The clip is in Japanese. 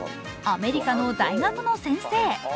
アメリカの大学の先生。